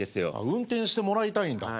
運転してもらいたいんだ。